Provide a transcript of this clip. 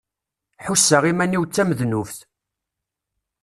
Ḥusseɣ iman-iw d tamednubt.